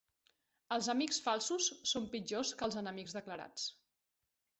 Els amics falsos són pitjors que els enemics declarats.